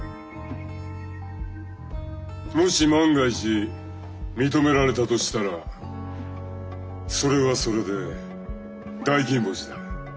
もし万が一認められたとしたらそれはそれで大金星だ。